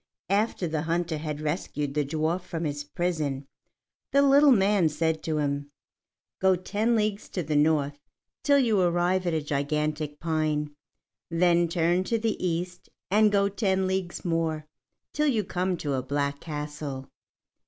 After the hunter had rescued the dwarf from his prison, the little man said to him: "Go ten leagues to the north till you arrive at a gigantic pine; then turn to the east, and go ten leagues more till you come to a black castle.